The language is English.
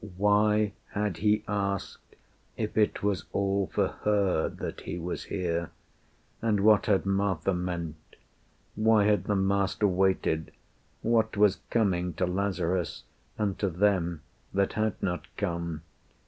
Why had he asked if it was all for her That he was here? And what had Martha meant? Why had the Master waited? What was coming To Lazarus, and to them, that had not come?